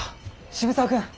渋沢君！